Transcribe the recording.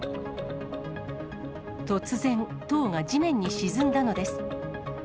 突然、塔が地面に沈んだのです。